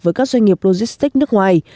với các doanh nghiệp logistic nước ngoài